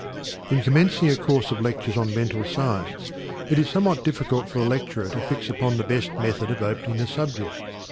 In commencing a course of lectures on Mental Science, it is somewhat difficult for the lecturer to fix upon the best method of opening the subject.